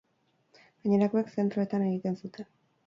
Gainerakoek zentroetan egiten zuten.